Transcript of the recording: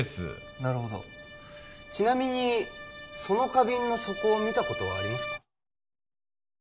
なるほどちなみにその花瓶の底を見たことはありますか？